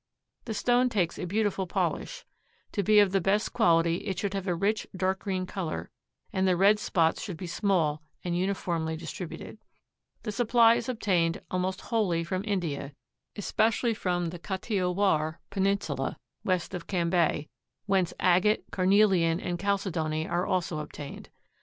The stone takes a beautiful polish. To be of the best quality it should have a rich dark green color and the red spots should be small and uniformly distributed. The supply is obtained almost wholly from India, especially from the Kathiawar Peninsula west of Cambay, whence agate, carnelian and chalcedony are also obtained.